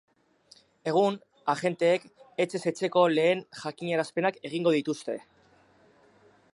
Egun, agenteek etxez etxeko lehen jakinarazpenak egingo dituzte.